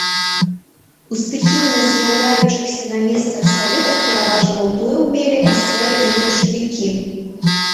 У стыхійна з'яўляючыхся на месцах саветах пераважны ўплыў мелі эсэры і меншавікі.